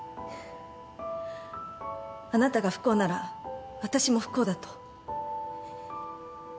あなたが不幸なら私も不幸だと。